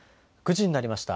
９時になりました。